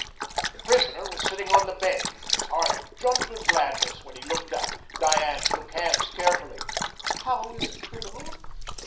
The prisoner was sitting on the bed. His heart jumped with gladness when he looked up. Diane shook hands cheerfully. "How is the criminal?"